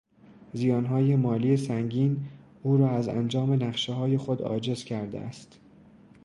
زیانهای مالی سنگین او را از انجام نقشههای خود عاجز کرده است.